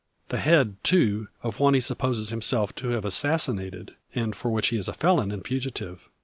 The head, too, of one he supposes himself to have assassinated, and for which he is a felon and fugitive.